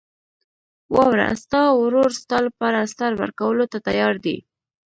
واوره، ستا ورور ستا لپاره سر ورکولو ته تیار دی.